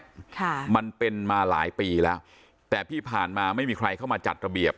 ค่ะมันเป็นมาหลายปีแล้วแต่ที่ผ่านมาไม่มีใครเข้ามาจัดระเบียบ